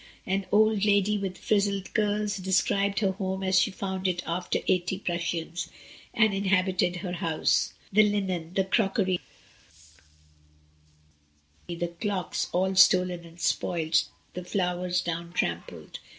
An old lady with frizzed curls described her home as she had found it after eighty Prussians had inhabited her house, the linen, the crocienr, the clocks, all stolen and spoilt, the flowers down trampled.